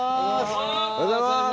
おはようございます。